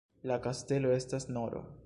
La kastelo estas nr.